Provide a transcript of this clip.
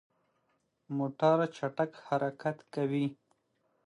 موټر چټک حرکت کوي.